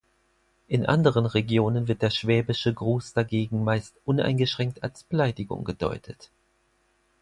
In anderen Regionen wird der Schwäbische Gruß dagegen meist uneingeschränkt als Beleidigung gedeutet.